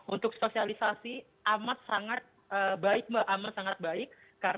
untuk sosialisasi amat sangat baik mbak amat sangat baik